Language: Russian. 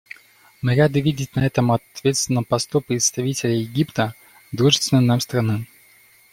Мы рады видеть на этом ответственном посту представителя Египта − дружественной нам страны.